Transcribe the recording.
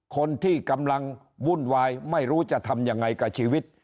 คนที่กำลังวุ่นวายไม่รู้จะทำยังไงกับชีวิต